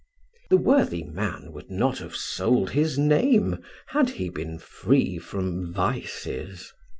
The worthy man would not have sold his name had he been free from vices.